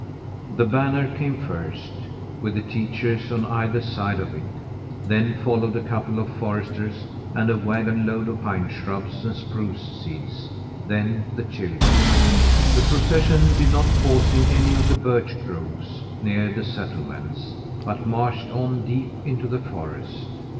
The banner came first, with the teachers on either side of it; then followed a couple of foresters and a wagon load of pine shrubs and spruce seeds; then the children. The procession did not pause in any of the birch groves near the settlements, but marched on deep into the forest.